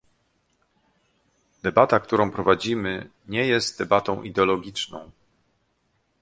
Debata, którą prowadzimy nie jest debatą ideologiczną